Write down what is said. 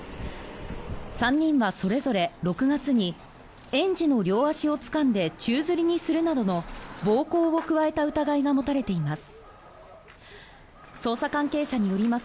３人はそれぞれ６月に園児の両足をつかんで宙づりにするなどの暴行を加えた疑いが持たれています。